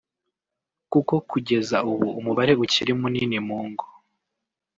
kuko kugeza ubu umubare ukiri munini mu ngo